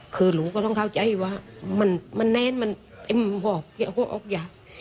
คือหลูก็ต้องเข้าใจว่ามันแน้นมันเต็มห่อบห่อบห่อบย่า